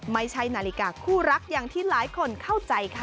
ไม่ใช่นาฬิกาคู่รักอย่างที่หลายคนเข้าใจค่ะ